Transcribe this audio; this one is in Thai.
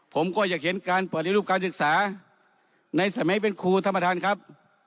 ผมก็อยากเห็นการปฏิรูปการศึกษาในสมัยเป็นครูท่านประธานครับ